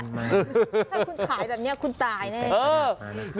ถ้าคุณขายแบบนี้คุณตายแน่